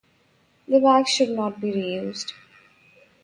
The bags should not be reused.